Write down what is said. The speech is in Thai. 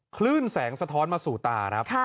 คลื่นแสงสะท้อนมาสู่ตาครับ